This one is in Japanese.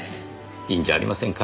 いいんじゃありませんか？